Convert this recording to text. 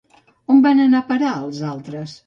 On van anar a parar els altres?